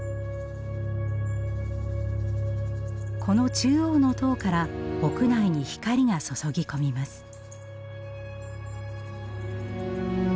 この中央の塔から屋内に光が注ぎ込みます。